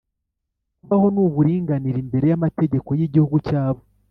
kubaho n'uburinganire imbere y'amategeko y'igihugu cyabo.